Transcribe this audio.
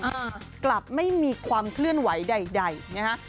ศึกลับไม่มีความเคลื่อนไหวใดเหนื่อยไหมคะ